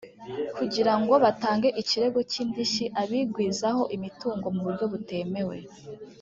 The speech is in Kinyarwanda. kugira ngo batange ikirego cy’indishyi abigwizaho imitungo mu buryo butemewe